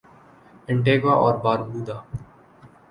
Antigua اور باربودا